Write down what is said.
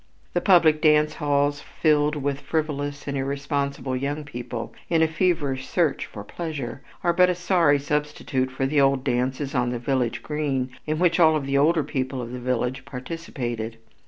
The public dance halls filled with frivolous and irresponsible young people in a feverish search for pleasure, are but a sorry substitute for the old dances on the village green in which all of the older people of the village participated.